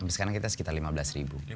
sekarang kita sekitar rp lima belas